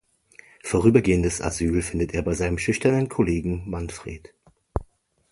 Vorübergehendes Asyl findet er bei seinem schüchternen Kollegen Manfred.